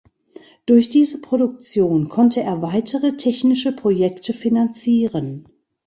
Durch diese Produktion konnte er weitere technische Projekte finanzieren.